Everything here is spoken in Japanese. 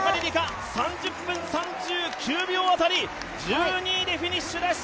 ３０分３９秒辺り、１２位でフィニッシュです。